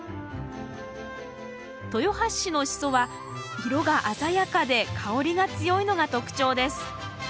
豊橋市のシソは色が鮮やかで香りが強いのが特徴です。